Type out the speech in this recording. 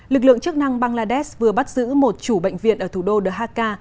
lực lượng chức năng bangladesh vừa bắt giữ một chủ bệnh viện ở thủ đô the haka